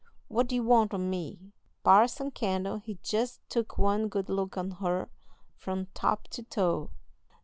'What do you want o' me?' "Parson Kendall he jest took one good look on her, from top to toe.